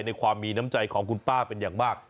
ในความมีน้ำใจของคุณป้าเป็นอย่างมาก